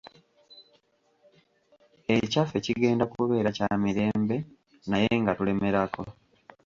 Ekyaffe kigenda kubeera kya mirembe naye nga tulemerako.